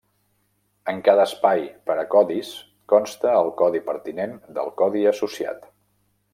En cada espai per a codis consta el codi pertinent del codi associat.